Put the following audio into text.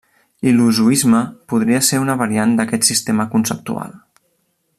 L'hilozoisme podria ser una variant d'aquest sistema conceptual.